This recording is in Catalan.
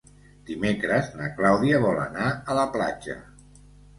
Dimecres na Clàudia vol anar a la platja.